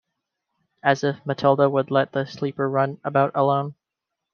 As if Matilda would let the Sleeper run about alone!